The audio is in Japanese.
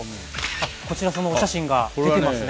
あっこちらそのお写真が出てますね。